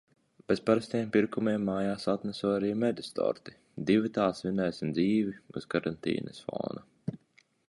Bez parastiem pirkumiem mājās atnesu arī medus torti. Divatā svinēsim dzīvi uz karantīnas fona.